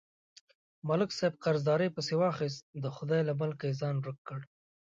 ملک صاحب قرضدارۍ پسې واخیست، د خدای له ملکه یې ځان ورک کړ.